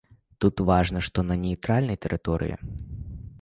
Тут важна, што на нейтральнай тэрыторыі.